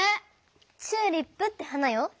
チューリップって花よ。